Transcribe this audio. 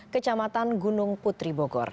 kecamatan gunung putri bogor